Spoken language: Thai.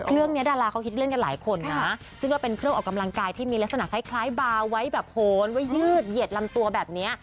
เรื่องนี้ดาราเขาฮิตเล่นกันหลายคนนะซึ่งก็เป็นเครื่องออกกำลังกายที่มีลักษณะคล้ายบาร์ไว้แบบโหนไว้ยืดเหยียดลำตัวแบบนี้